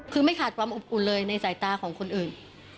คือไม่ขาดความอบอุ่นเลยในสายตาของคนอื่น